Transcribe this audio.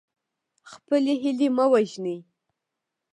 خپلې هیلې مه وژنئ.